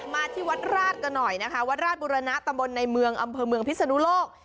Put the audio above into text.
มาที่วัดราชกันหน่อยนะคะวัดราชบุรณะตำบลในเมืองอำเภอเมืองพิศนุโลก